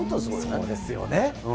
そうですよね。